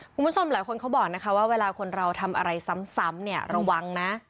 คุณผู้ชมหลายคนเขาบอกนะคะว่าเวลาคนเราทำอะไรซ้ำเนี่ยระวังนะ